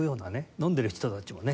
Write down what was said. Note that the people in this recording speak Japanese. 飲んでる人たちもね。